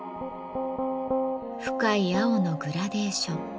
深い青のグラデーション。